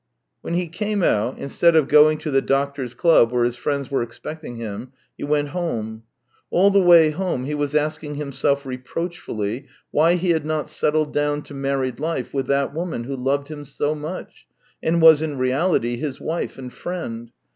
When he came out, instead of going to the doctors' club where his friends were expecting him, he went home. All the way home he was asking himself reproachfully why he had not settled down to married life with that woman who loved him so much, and was in reality his wife and friend.